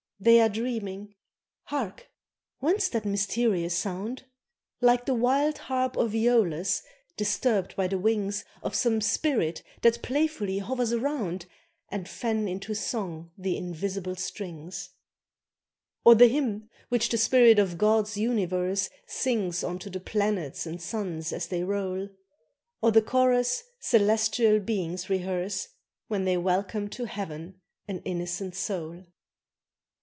They are dreaming Hark! Whence that mysterious sound? Like the wild harp of Æolus disturbed by the wings Of some spirit that playfully hovers around, And fan into song the invisible strings; Or the hymn which the spirit of God's universe Sings unto the planets and suns, as they roll, Or the chorus celestial beings rehearse When they welcome to heaven an innocent soul.